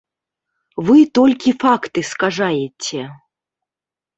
Вы толькі факты скажаеце!